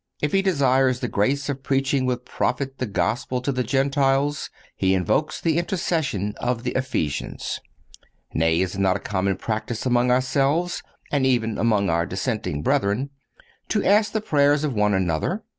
If he desires the grace of preaching with profit the Gospel to the Gentiles, he invokes the intercession of the Ephesians. Nay, is it not a common practice among ourselves, and even among our dissenting brethren, to ask the prayers of one another?